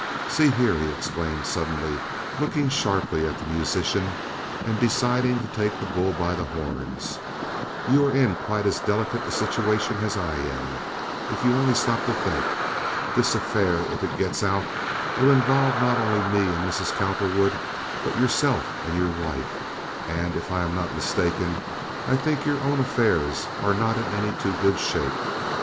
"See here," he exclaimed, suddenly, looking sharply at the musician and deciding to take the bull by the horns, "you are in quite as delicate a situation as I am, if you only stop to think. This affair, if it gets out, will involve not only me and Mrs. Cowperwood, but yourself and your wife, and if I am not mistaken, I think your own affairs are not in any too good shape.